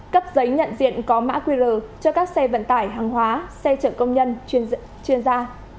cấp giấy nhận diện có mã qr cho các xe vận tải hàng hóa xe chở công nhân chuyên gia